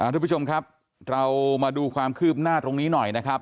ทุกผู้ชมครับเรามาดูความคืบหน้าตรงนี้หน่อยนะครับ